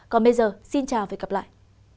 còn bây giờ xin chào và hẹn gặp lại